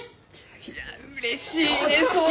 いやうれしいですき！